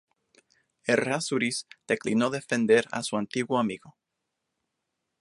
Errázuriz declinó defender a su antiguo amigo.